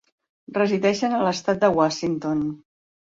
Resideixen a l'estat de Washington.